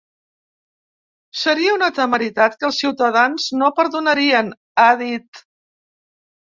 Seria una temeritat que els ciutadans no perdonarien, ha dit.